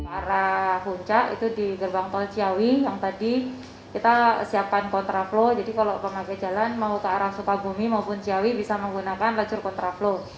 arah puncak itu di gerbang tol ciawi yang tadi kita siapkan kontra flow jadi kalau pemakai jalan mau ke arah sukabumi maupun ciawi bisa menggunakan lajur kontraflow